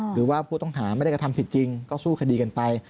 หรือว่าผู้ต้องหาไม่ได้กระทำผิดจริงก็สู้คดีกันไป